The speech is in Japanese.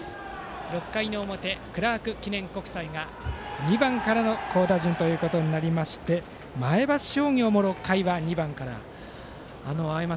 ６回の表、クラーク記念国際が２番からの好打順となりまして前橋商業も６回は２番から。